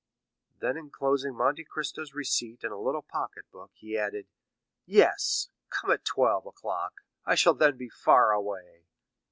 Then enclosing Monte Cristo's receipt in a little pocket book, he added:—"Yes, come at twelve o'clock; I shall then be far away."